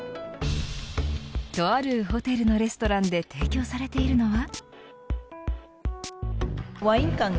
とあるホテルのレストランで提供されているのは。